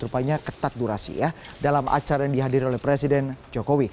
rupanya ketat durasi ya dalam acara yang dihadiri oleh presiden jokowi